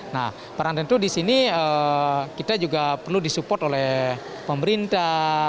nah peran tentu di sini kita juga perlu disupport oleh pemerintah